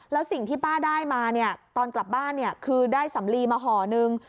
แล้วสิ่งที่ป้าได้มาเนี่ยตอนกลับบ้านคือได้สำลีมาห่อนึง